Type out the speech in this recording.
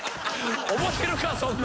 思ってるかそんな。